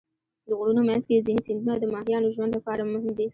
د غرونو منځ کې ځینې سیندونه د ماهیانو ژوند لپاره مهم دي.